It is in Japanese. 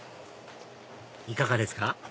いかがですか？